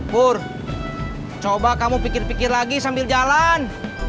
bur coba kamu pikir pikir lagi sambil jalan